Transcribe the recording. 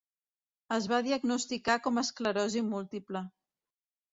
Es va diagnosticar com a esclerosi múltiple.